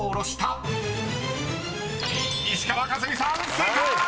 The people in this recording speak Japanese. ［正解！